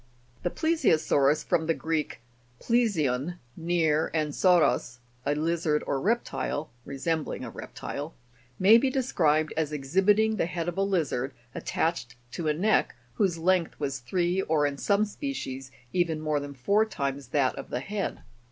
The PLEI'SIOSAU'RUS (from the Greek plesion, near, and sauros, a lizard or reptile resembling a reptile Jig. 82) may be described as exhibiting the head of a lizard, attached to a neck whose length was three, or, in some species, even more than four times that of the head.